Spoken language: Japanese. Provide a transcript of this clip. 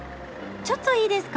ちょっといいですか？